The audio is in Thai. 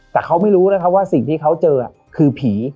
แต่เขาไม่รู้นะครับว่าสิ่งที่เขาเจอคือผี